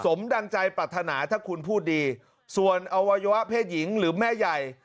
ดังใจปรัฐนาถ้าคุณพูดดีส่วนอวัยวะเพศหญิงหรือแม่ใหญ่